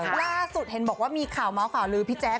ล่าสุดเห็นบอกว่ามีข่าวเมาส์ข่าวลือพี่แจ๊ค